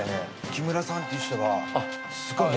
木村さんっていう人がすごい持ってる。